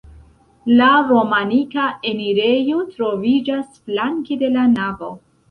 La romanika enirejo troviĝas flanke de la navo.